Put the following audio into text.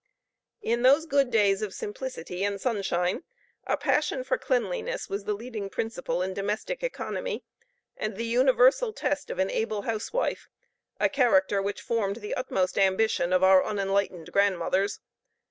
In those good days of simplicity and sunshine, a passion for cleanliness was the leading principle in domestic economy, and the universal test of an able housewife a character which formed the utmost ambition of our unenlightened grandmothers.